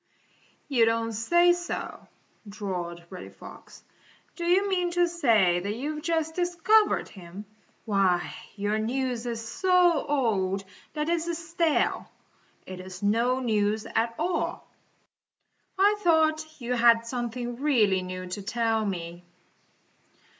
"You don't say so," drawled Reddy Fox. "Do you mean to say that you've just discovered him? Why, your news is so old that it is stale; it is no news at all. I thought you had something really new to tell me."